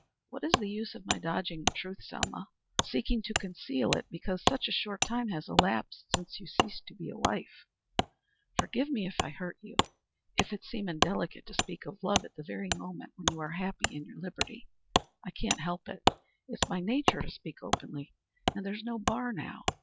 What is the use of my dodging the truth, Selma seeking to conceal it because such a short time has elapsed since you ceased to be a wife? Forgive me if I hurt you, if it seem indelicate to speak of love at the very moment when you are happy in your liberty. I can't help it; it's my nature to speak openly. And there's no bar now.